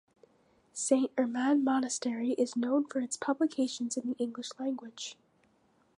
Saint Herman Monastery is known for its publications in the English language.